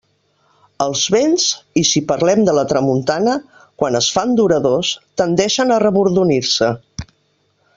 Els vents, i si parlem de la tramuntana, quan es fan duradors, tendeixen a rebordonir-se.